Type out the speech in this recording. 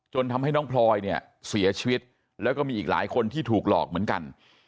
ทำให้น้องพลอยเนี่ยเสียชีวิตแล้วก็มีอีกหลายคนที่ถูกหลอกเหมือนกัน